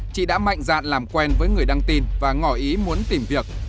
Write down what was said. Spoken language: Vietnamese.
chị đã mạnh dạn làm quen với người đăng tin và ngỏ ý muốn tìm việc